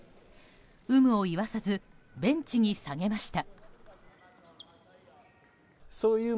有無を言わさずベンチに下げました。